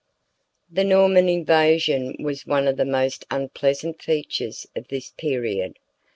] The Norman invasion was one of the most unpleasant features of this period.